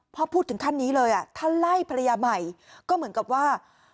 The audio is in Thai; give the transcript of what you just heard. พอพูดถึงขั้นนี้เลยถ้าไล่ภรรยาใหม่ก็เหมือนกับว่า